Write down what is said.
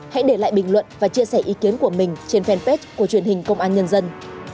hãy để lại bình luận và chia sẻ ý kiến của mình trên fanpage của truyền hình công an nhân dân